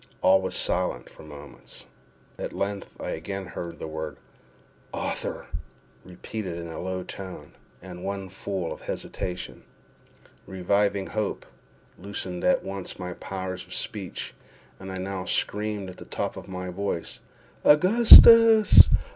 All was silent for some moments. At length I again heard the word "Arthur!" repeated in a low tone, and one full of hesitation. Reviving hope loosened at once my powers of speech, and I now screamed at the top of my voice, "Augustus!